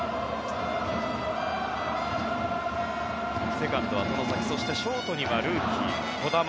セカンドは外崎そして、ショートにはルーキーの児玉。